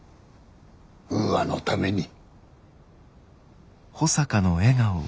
ウーアのために。